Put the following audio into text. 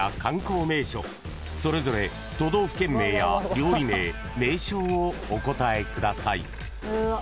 ［それぞれ都道府県名や料理名名称をお答えください］